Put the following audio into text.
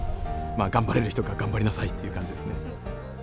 頑張れる人が頑張りなさいという感じですね。